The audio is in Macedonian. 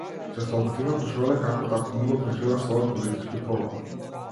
Честопати ме прашувале како татко ми го преживеа својот политички прогон?